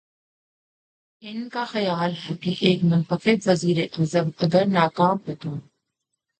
ان کا خیال ہے کہ ایک منتخب وزیراعظم اگر ناکام ہو تا ہے۔